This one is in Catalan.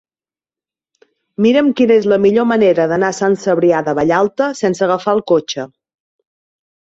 Mira'm quina és la millor manera d'anar a Sant Cebrià de Vallalta sense agafar el cotxe.